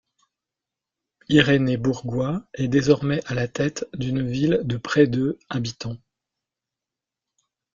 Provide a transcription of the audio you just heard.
Irénée Bourgois est désormais à la tête d’une ville de près de habitants.